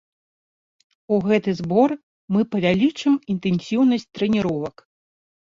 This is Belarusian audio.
У гэты збор мы павялічым інтэнсіўнасць трэніровак.